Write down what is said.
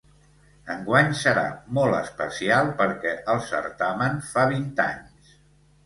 Enguany serà molt especial perquè el certamen fa vint anys.